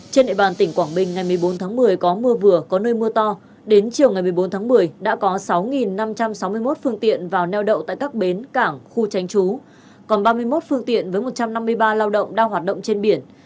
trên địa bàn tỉnh quảng bình ngày một mươi bốn tháng một mươi có mưa vừa có nơi mưa to đến chiều ngày một mươi bốn tháng một mươi đã có sáu năm trăm sáu mươi một phương tiện vào neo đậu tại các bến cảng khu tránh trú còn ba mươi một phương tiện với một trăm năm mươi ba lao động đang hoạt động trên biển